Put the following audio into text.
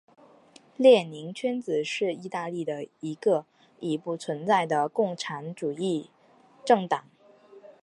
列宁圈子是意大利的一个已不存在的共产主义政党。